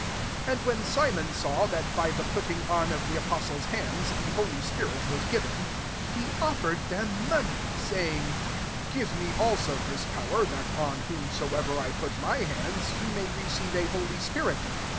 18 And when Simon saw that f the putting on of the apos les' hands the holy spirit was :iven, he offered them money, 9 saying, *' Give me also this ower, that, on whomsoever I Qt my hands, he may receive holy spirit."